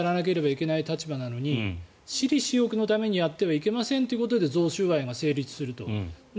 公益の立場でやらないといけないのに私利私欲のためにやってはいけませんということで贈収賄が成立する。